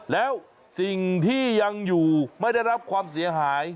แล้วสิ่งที่ยังอยู่ไม่ได้รับความเสียหาย